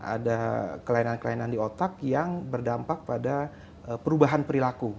ada kelainan kelainan di otak yang berdampak pada perubahan perilaku